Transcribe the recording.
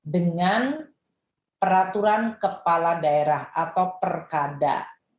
dengan peraturan kepala daerah atau perkada